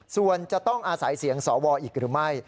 ส่วนจะต้องอาศัยเสียงสวอีกหรือไม่